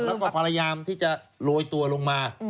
แล้วก็พยายามที่จะโรยตัวลงมา